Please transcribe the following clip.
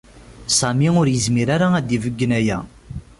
Sami ur yezmir ara ad ibeggen aya.